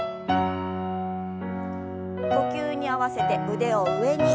呼吸に合わせて腕を上に。